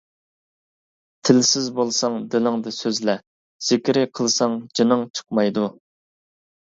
تىلسىز بولساڭ دىلىڭدا سۆزلە، زىكرى قىلساڭ جېنىڭ چىقمايدۇ.